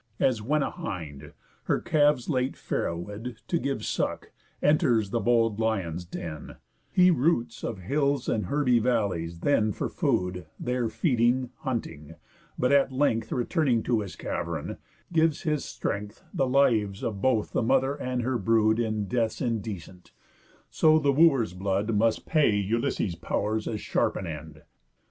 As when a hind, her calves late farrowéd, To give suck, enters the bold lion's den, He roots of hills and herby vallies then For food (there feeding) hunting; but at length Returning to his cavern, gives his strength The lives of both the mother and her brood In deaths indecent; so the Wooers' blood Must pay Ulysses' pow'rs as sharp an end.